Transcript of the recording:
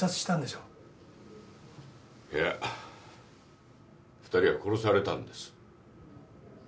２人は殺されたんです。